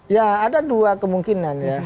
ya ada dua kemungkinan ya